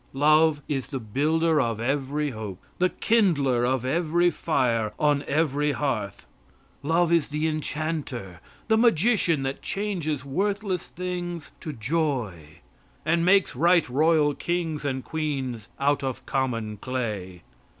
Love is the builder of every hope, the kindler of every fire on every hearth. Love is the enchanter, the magician that changes worthless things to joy, and makes right royal kings and queens out of common clay.